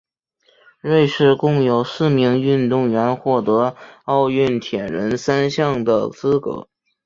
瑞士共有四名运动员获得奥运铁人三项的资格。